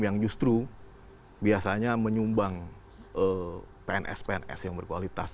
yang justru biasanya menyumbang pns pns yang berkualitas